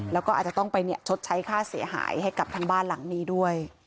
แล้วก็อาจจะต้องไปชดใช้ค่าเสียหายให้กับทางบ้านหลังนี้ด้วย